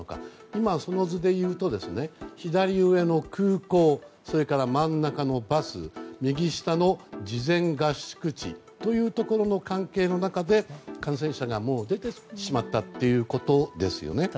今、その図でいうと左上の空港、真ん中のバス右下の事前合宿地というところの関係の中で感染者がもう出てしまったということですよね。